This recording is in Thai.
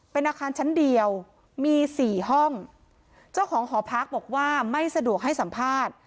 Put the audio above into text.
เป็นอาคารชั้นเดียวมีสี่ห้องเจ้าของหอพักบอกว่าไม่สะดวกให้สัมภาษณ์